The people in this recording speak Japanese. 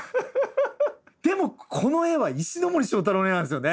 でもこの絵は石森章太郎の絵なんですよね。